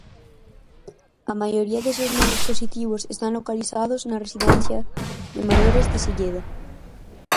A maioría deses novos positivos están localizados na residencia de maiores de Silleda.